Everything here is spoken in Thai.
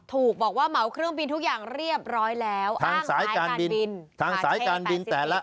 ถูกบอกว่าเหมาเครื่องบินทุกอย่างเรียบร้อยแล้วอ้างสายการบิน